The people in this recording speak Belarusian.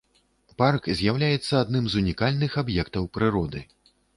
Парк з'яўляецца аднім з унікальных аб'ектаў прыроды.